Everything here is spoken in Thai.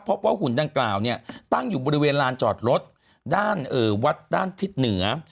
เพราะว่าหุ่นด้านกล่าวตั้งอยู่บริเวณลานจอดรถด้านวัดด้านทิศเหนือ